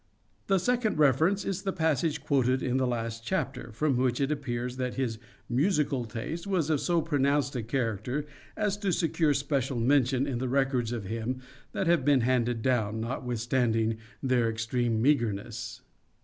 The second reference is the passage quoted in the last chapter, from which it appears that his musical taste was of so pronounced a character as to secure special mention in the records of him that have been handed down, notwithstanding their extreme meagreness.